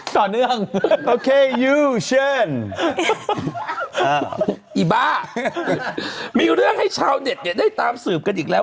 ต่อเนื่องโอเคยื้อเช่นอีบ้ามีเรื่องให้ชาวเน็ตเนี่ยได้ตามสืบกันอีกแล้ว